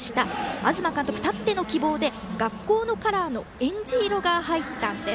東監督、たっての希望で学校のカラーのえんじ色が入ったんです。